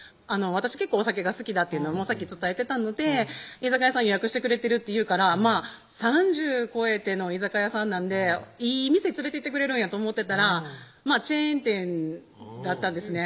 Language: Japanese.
私結構お酒が好きだっていうのは先伝えてたので居酒屋さん予約してくれてるって言うから３０超えての居酒屋さんなんでいい店連れてってくれるんやと思ってたらチェーン店だったんですね